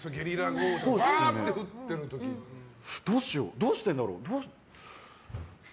どうしてるんだろう？